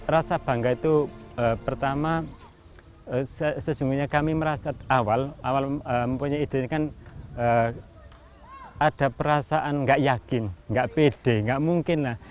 rasa bangga itu pertama sesungguhnya kami merasa awal awal mempunyai ide ini kan ada perasaan gak yakin nggak pede nggak mungkin lah